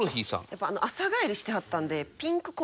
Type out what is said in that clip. やっぱ朝帰りしてはったんで。